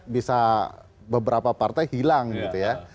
bisa beberapa partai hilang gitu ya